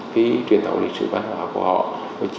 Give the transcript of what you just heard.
cái truyền thống lịch sử văn hóa của họ